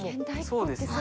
そうですね。